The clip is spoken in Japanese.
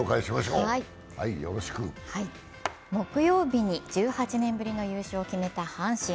木曜日に１８年ぶりの優勝を決めた阪神。